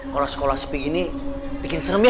kalau sekolah sepi gini bikin serem ya